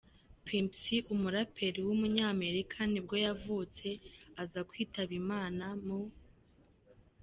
Pimp C, umuraperi w’umunyamerika nibwo yavutse, aza kwitaba Imana mu .